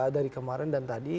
dari kemarin dan tadi